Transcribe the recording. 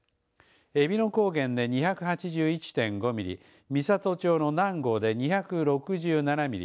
えびの高原で２８１．５ミリ美郷町の南郷で２６７ミリ